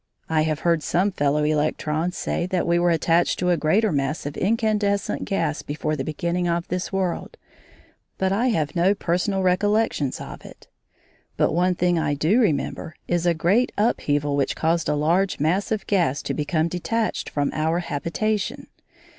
I have heard some fellow electrons say that we were attached to a greater mass of incandescent gas before the beginning of this world, but I have no personal recollections of it. But one thing I do remember is a great upheaval which caused a large mass of gas to become detached from our habitation.